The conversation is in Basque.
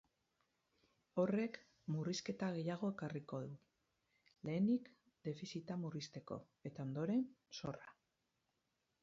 Horrek murrizketa gehiago ekarriko du, lehenenik defizita murrizteko eta ondoren zorra.